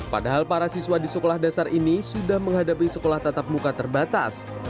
padahal para siswa di sekolah dasar ini sudah menghadapi sekolah tatap muka terbatas